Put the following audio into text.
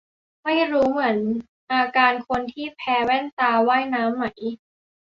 ไม่รู้เหมือนอาการคนที่แพ้แว่นตาว่ายน้ำไหม